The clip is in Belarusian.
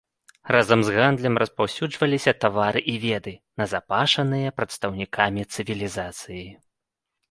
Разам з гандлем распаўсюджваліся тавары і веды, назапашаныя прадстаўнікамі цывілізацыі.